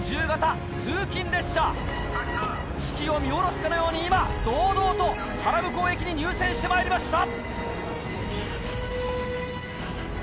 志貴を見下ろすかのように今堂々と原向駅に入線してまいりました！